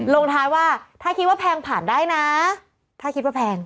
ลงท้ายว่าถ้าคิดว่าแพงผ่านได้นะถ้าคิดว่าแพง